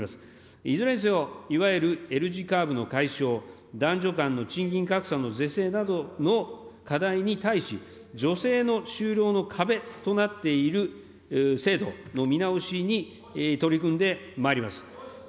いずれにせよ、いわゆるＬ字カーブの解消、男女間の賃金格差の是正などの課題に対し、女性の就労の壁となっている制度の見直しに取り組んでまいります。